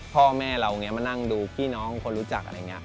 พ่อแม่เรามานั่งดูพี่น้องคนรู้จักอะไรอย่างนี้